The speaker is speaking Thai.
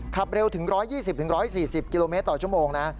ขับเร็วถึง๑๒๐๑๔๐กิโลเมตรต่อชั่วโมงนะ